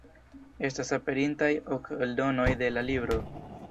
Estas aperintaj ok eldonoj de la libro.